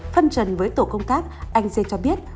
phân trần với tổ công tác anh dê cho biết